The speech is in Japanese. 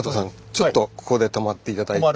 ちょっとここで止まって頂いて。